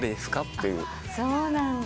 そうなんだ。